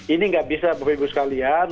ini nggak bisa berbebas kalian